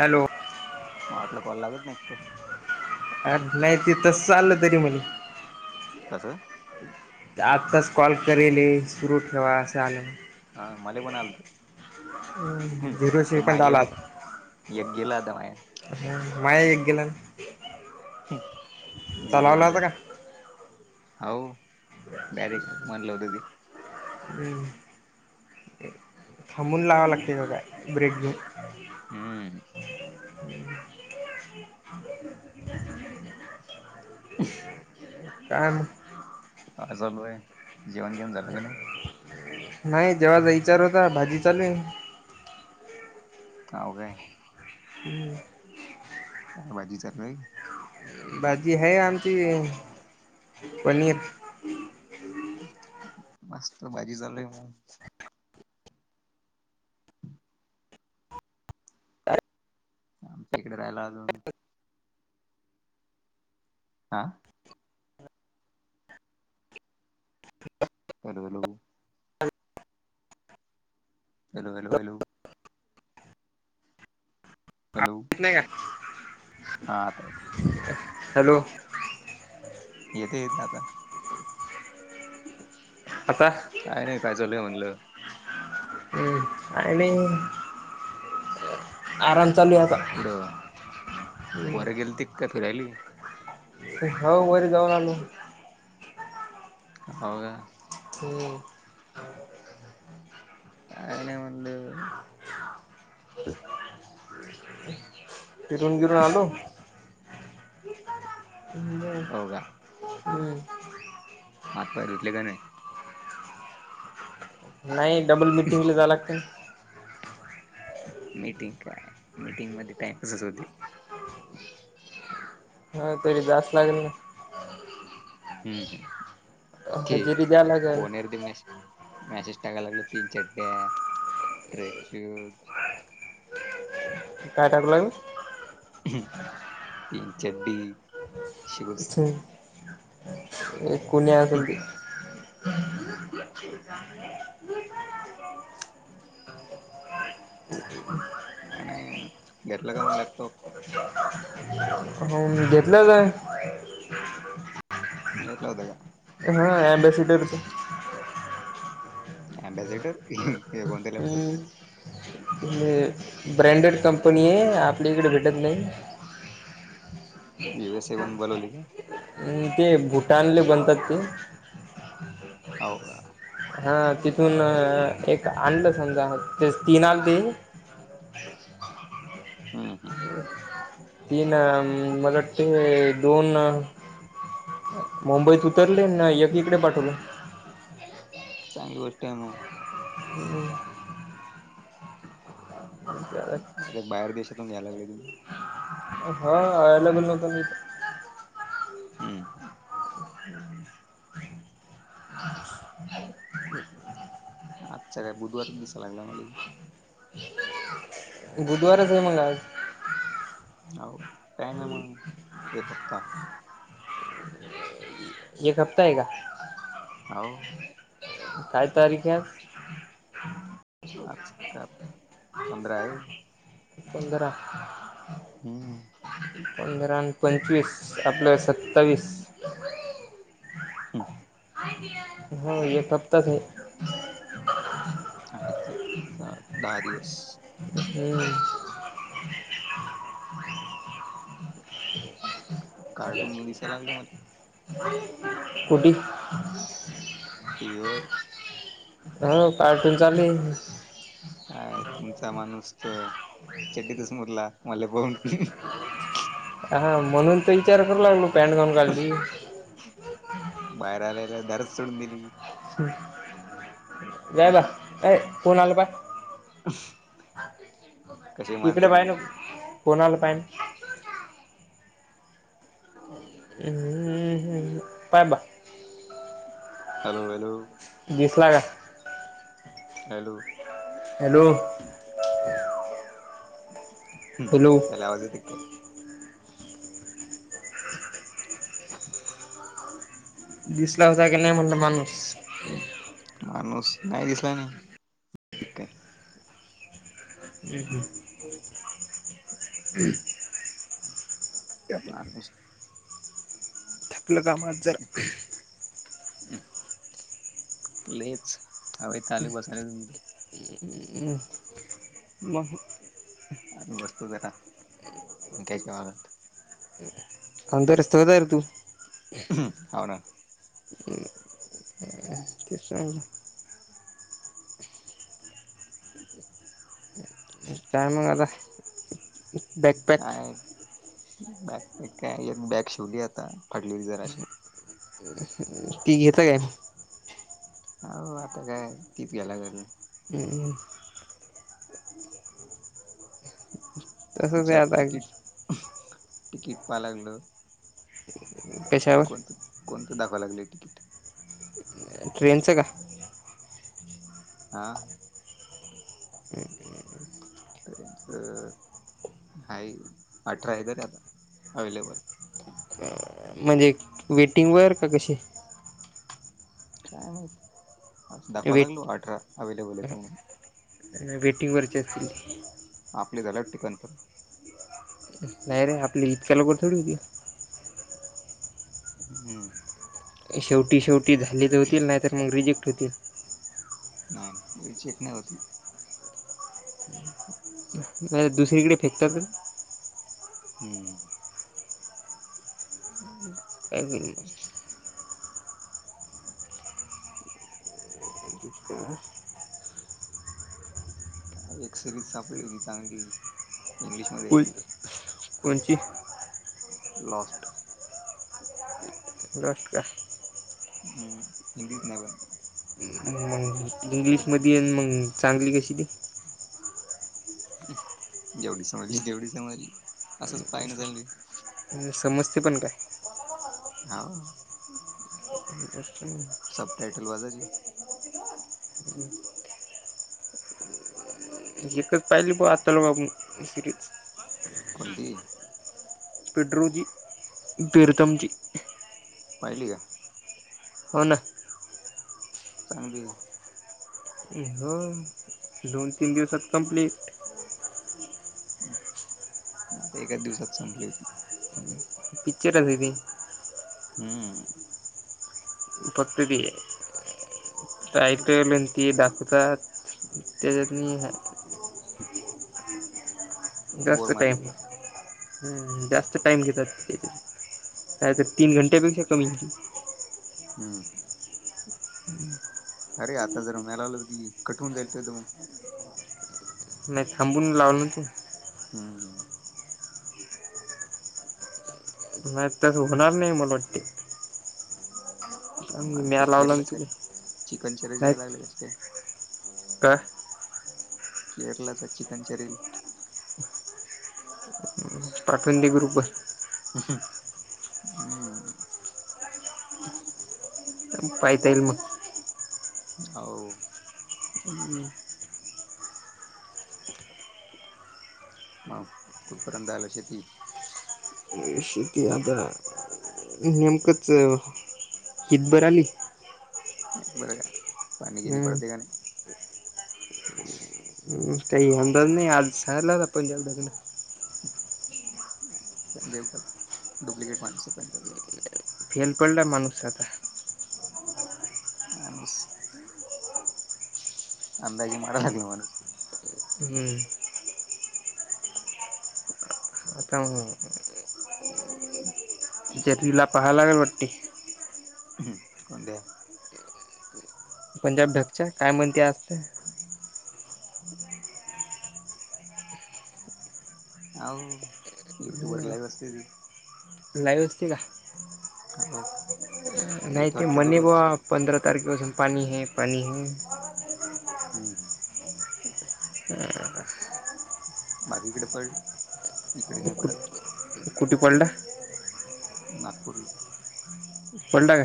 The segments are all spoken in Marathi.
हॅलो मला वाटलं कॉल लागत. नाही की काय अर नाही त तस चालं तरी म्हणी कसं. आत्ताच कॉल करेले सुरू ठेवा असं आलं. हा मले पण आलतं हम्म झिरो किंवा सेकंद आला एक य गेल आता मायं. माय एक गेलं तो झिरो लावला झिरो होता का हौ डायरेक्ट म्हणलं होत. ते हम्म्म थांबून लावं लागतं का काय ब्रेक घेऊन हम्म काय मग. हा चालोय आहे. जेवण घेऊण झाला का नाही. नाही जेव्हाचा विचार होता. भाजी चालू हौ काय. [inaudible] [inaudible] बाजी चालू ये भाजी है आमची. पनीर मस्त भाजी चालूय मगं. आमच्या इकडे राहियला अलो. हा [unintelligible] hello hello hello hello hello hello नाही का हा आताय ते हॅलो येते येत ना आता. आता. आरे काय नाही काय चालू म्हणलं. हम्म काय नाही मग आराम चालू आहे आता कुटं वर गेलंतेत का फिरायली. हो वर जाऊन आलो. हो का? ह. काय नाही म्हणलं. फिरून बिरून आलो. हो का? हम्. हात पाय धुतले का नाही? नाही डबल मिटिंगला जायला लागतंय. मीटिंग काय मिटिंग मध्ये टाईम पासच होतय. हो तरी जाच लागेल ना? हम्म ना ठीक हजेरी द्या लागेल कोणते प्रिमाइस मॅशिस टाकाय लागलोय, तीन चड्ड्या, ट्रेक शूज काय टाकू लागला? तीन चड्डी. शूज ह एक कुणीया असती. हम्. [unintelligible] का नाही घेतलं का मग लॅपटॉप. [inaudible] हम्म घेतलं काय? [unintelligible] घेतलं होतं का? हा ॲम्बेसिडरच. अम्बेसिडर? हम. ब्रँडेड कंपनी आहे आपल्या इकडे भेटत नाही. झिरो सेवन बोलावली का? नाही ते भूटा आणलेत बनतात ते हो का? हा तिथून एक आनलं समजा ते तीन आते. हम् हम. तीन मला वाटतय दोन. मुंबईत उतरले ना एक इकडे पाठवले. चांगली गोष्ट आहे मग. हम्म. डायरेक्ट बाहेर देशातून घ्यायला लागले तुम्ही. हो. [unintelligible] होतो मी. हम्म. आजचा काय बुधवार दिसा लागला मले. बुधवारच आहे मग आज. हो टायम मग एक हप्ता. एक हफता आहे का? हो. काय तारीख आहे आज? आज का पंधरा आहे. पंधरा हम्म पंधरा आणि पंचवीस आपलं सत्तावीस हां हा ये कब तक आहे. आहेत तर दहा दिवस. हम्म कार्टून म दिसाय लागल मला ह [unintelligible] कुडी ह [unintelligible] टीवीवर. हो कार्टून चालुये. काय तुमचा माणूस तर चडीतच मुतला मले बगून. हा म्हणून तर विचार करू लागलो पॅन्ट गाऊन घालली. बाहेर आलेला दारच सोडून दिली. जाय बा ए कोणा आल बा [unintelligible] अश [unintelligible] इकडे पाहि ना कोणाला पाहि ना पहि बा हॅलो हॅलो दिसला का? हॅलो हॅलो ह् हॅलो त्याला आवाज येत काय? दिसला होता का नाही म्हणलं माणुस? माणूस काय दिसला नाही. काय हम् हम ह [unintelligible] आपलं कामात जरा लच हवे ली बसाले त त हम मग- आम्ही बसतो जरा पंख्याच्या वाऱ्यात. [inaudible] अंत रस्तवता तू [unintelligible] हो ना, ह [inaudible] तेस [inaudible] काय मंग आता? अ बॅकपॅक बॅग काय एक बॅग शिवली आता फडलेली जराशी हम् ती घेत काय? हाऊ आता काय तीच गेला करून. हम्म तसंच आहे विचार आता तिकीट, तिकीट पाह लागलं. कश्यावर, कोणतं कोणतं दाखवं लागलं आहे तिकीट? ट्रेनचं का? हा ट्रेनच हा अठरा आहे तरी आता अवेलेबल. म्हणजे वेटिंगवर का कशी? काय माहित, अस दाखवा वेट लागलो अठरा अवे्लेबल आहे त म्हणून. वेटिंगवररची असतील. आपले झाल्या टिकाणपण नाही रे आपली इतक्या ला बसत होती. हम् हम्म शेवटी शेवटी झाले तर होतील नाही तर मग रिजेक्ट होतील. नाही नाही रिजेक्ट नाही होत. नाही दुसरीकडे फेकतात काय? हम्म काय हम्म [unintelligible] एक सिरीज सापडली होती चांगली. इंग्लिशमध्ये कुल [unintelligible] कोणची लाॉस्ट [unintelligible] लॉस्ट काय? हम्म हिंदीच नाय बाय. हम्म मग इंग्लिश मध्ये मग चांगली कशी ती जेवढी समजली तेवढी समजली असंच पाहिणं चांगली. ह समजते पण काय? हवं. [unintelligible] इंटरेस्टिंग सब टाइटल वाला जी [unintelligible] एकच पाहिली प आताला बा सिरीज. कोणती? पिड्रुजी, प्रिरथमजी पाहिली का? हो ना चांगलीय हो दोन तीन दिवसात कंप्लीट आता एकाच दिवसात संपली होती. पिक्चर हवी घे [unintelligible] हम् फक्त ते [unintelligible] काय त [inaudible] ते दाखतात त्याच्यात नई हाय [unintelligible] ते बोर जास्त टाईम मारला हम् जास्त टाइम घेतात काय तर तीन घंट्या पेक्षा कमी हम. [inaudible] अरे आता जर मलाल की कठून जाईल त मग [inaudible] मया थांबून लावल ना तू. हम् नाही ते होणार नाही मला वाटततं. मग तर म्या लावला ना केरळचं तुला हे [inaudible] चिकन चरी द्याय लागले कस काय काय? केरळचा चिकन चरील. पाखंडी ग्रुप हे. हम् पाहता ईल मग हावं. [inaudible] मग कुठं पर्यंत आली शेती? मग शेती आता नेमकंच हितभर आली. बरं का पाणी बीणी हम्म पडते का नाही. [unintelligible] नाय पंजाब ढग जेबट डुप्लिकेट माणस पंजाब ढग फेल पडला माणुस आता माणूस, अंदाजे मारा लागला माणूस. हम्म, [unintelligible] शेतीला पहाय लागेल वाट्टी [inaudible] ह्म कोंद्या? पंजाब ढकच्या काय म्हणती असते. [inaudible] आव युट्यूब वर लाईव्ह असते ती. लिव्ह असते का? आहो. नाही ते म्हणे बा पंधरा तारखेपासून पाणी हे - पाणी हे. हम्म. [unintelligible] बाकी कडे पडलं इकडे नाही पडायला कुठं पडलं? नागपूर. पडला काय?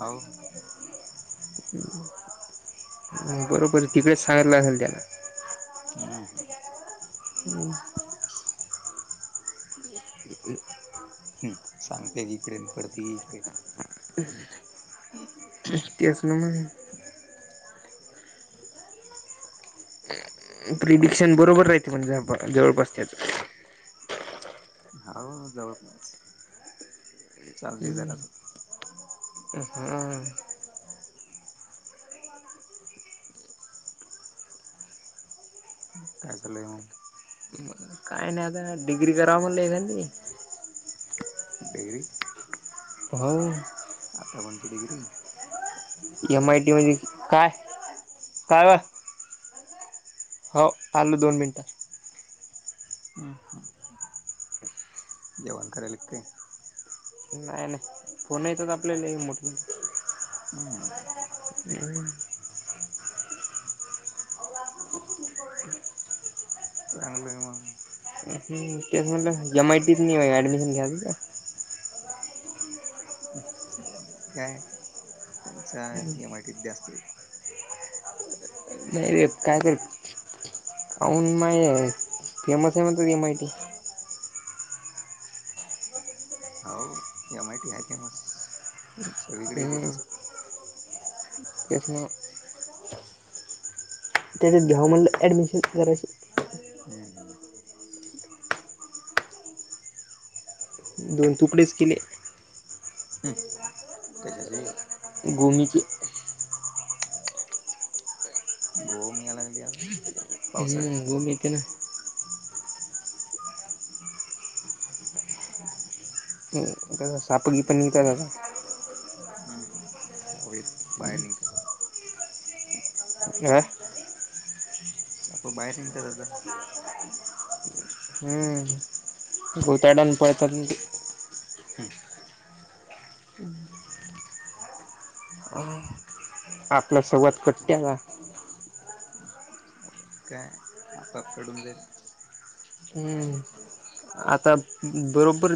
आ हो. [unintelligible] बरोबर तिकडेच सांगायला असेल त्याला. हम्म. [unintelligible] हम्म सांगते इकडे पडती इकडे. [unintelligible] दिसतीयास ना म्हणून प्रिडिक्शन बरोबर राहते म्हणज जवळ बसत्यात. हो जवळपास चालते जरास. हम्म. काय चालय मग? [unintelligible] आय न या दा डग्री कराव म्हणलेय एखांदी. डिग्री हाऊ. आता कोणती डिग्री? एम आय टी मजी काय काय? हो आलो दोन मिनटं. हम्म जेवण करायल की काय? नाही नाही फोन येत आपल्याला मोठ हम्म. हम्म. चांगलं आहे मंग. हम्म तेच म्हटलं एम आयटीत नाही आहे ऍडमिशन घ्यावी का? हम्म एम आय टी काय पैसा या एम आय टी त जास्त आहे. नाही रे काय तर काऊन माय फेमस आहे मणत एम आय टी. हाऊ एम आय टी आहे फेमस सगळीकडेय तेच. त्यासनी त्याच्यात घ्याव म्हणलं ॲडमिशन करायची. हम्म हम्म. दोन तुकडेच केले. हम्म कशाची? गोमीचे. गोम या लागली आता. पावसाळ्यात हम्म गोम येती ना. [unintelligible] हम्म सावळीत बाहेर निघता आता. [unintelligible] सख बाहेर निघत जात [unintelligible] हम्म बतडन पळतात [unintelligible] हम्म. [unintelligible] आपल्या संवाात कट्ट्याला हम्म [unintelligible] काय आपाप काडून जाईल. हम्म आता बरोबर